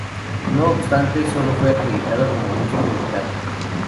No obstante, solo fue acreditada como músico invitada.